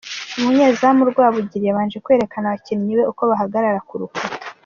Umunyezamu Rwabugiri yabanje kwereka abakinnyi be uko bahagarara ku rukuta .